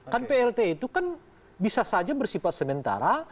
kan plt itu kan bisa saja bersifat sementara